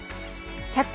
「キャッチ！